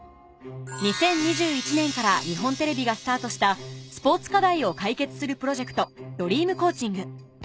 ２０２１年から日本テレビがスタートしたスポーツ課題を解決するプロジェクトＤｒｅａｍＣｏａｃｈｉｎｇ